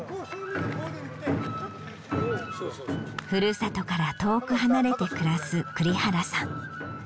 ふるさとから遠く離れて暮らす栗原さん。